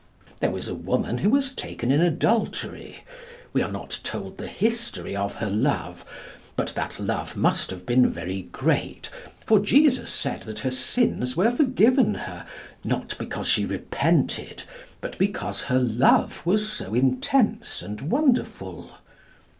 There was a woman who was taken in adultery. We are not told the history of her love, but that love must have been very great; for Jesus said that her sins were forgiven her, not because she repented, but because her love was so intense and wonderful.